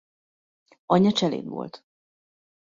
Anyja cseléd volt.